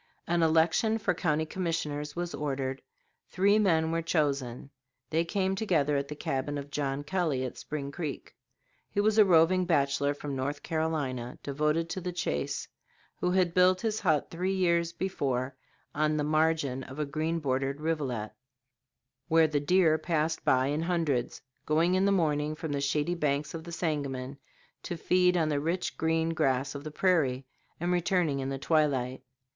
An election for county commissioners was ordered; three men were chosen; they came together at the cabin of John Kelly, at Spring Creek. He was a roving bachelor from North Carolina, devoted to the chase, who had built this hut three years before on the margin of a green bordered rivulet, where the deer passed by in hundreds, going in the morning from the shady banks of the Sangamon to feed on the rich green grass of the prairie, and returning in the twilight.